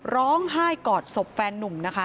ร้องไห้กอดศพแฟนนุ่มนะคะ